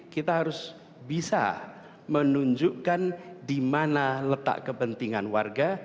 kita harus bisa menunjukkan di mana letak kepentingan warga